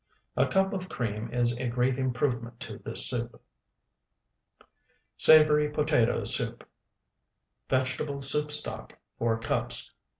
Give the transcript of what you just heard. A cup of cream is a great improvement to this soup. SAVORY POTATO SOUP Vegetable soup stock, 4 cups.